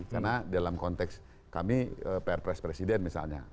karena dalam konteks kami pr presiden misalnya